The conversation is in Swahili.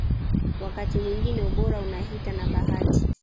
Wakati mwingine ubora unahita na bahati